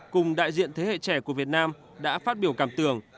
cùng đại diện thế hệ trẻ của việt nam đã phát biểu cảm tưởng